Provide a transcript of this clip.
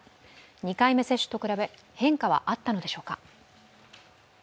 ２回目接種と比べ、変化はあったのでしょうか。